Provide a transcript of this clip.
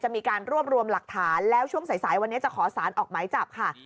มีการรวบรวมหลักฐานแล้วช่วงสายวันนี้จะขอสารออกหมายจับค่ะ